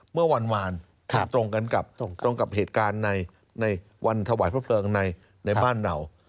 เมื่อวานมันตรงกันกับตรงกับเหตุการณ์ในวันถวายพระเพลิงในบ้านเรา